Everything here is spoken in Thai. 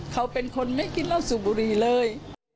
เขาเป็นคนไม่กินเหล้าสูบบุรีเลย